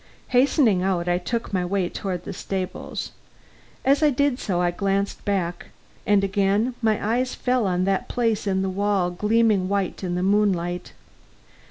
Hastening out, I took my way toward the stables. As I did so I glanced back, and again, my eyes fell on that place in the wall gleaming white in the moonlight.